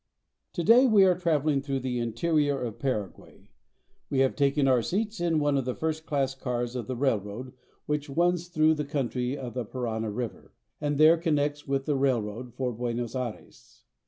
TO DAY we are traveling through the interior of Paraguay. We have taken our seats in one of the first class cars of the railroad which runs through the country to the Parana River, and there connects with the railroad for Buenos Aires.